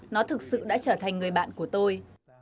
nó thực sự đã trở thành người bạn của tôi